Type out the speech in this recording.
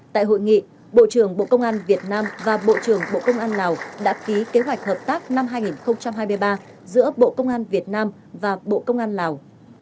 tại hội nghị bộ trưởng bộ công an việt nam và bộ trưởng bộ công an lào đã ký kế hoạch hợp tác năm hai nghìn hai mươi ba giữa bộ công an việt nam và bộ công an lào